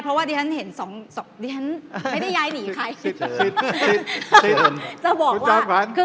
เพราะว่าดิฉันเห็นสองดิฉันไม่ได้ย้ายหนีใคร